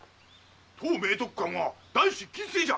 当“明徳館”は男子禁制じゃ！